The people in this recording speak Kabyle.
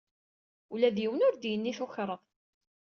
Ula d yiwen ur d-yenni tukreḍ.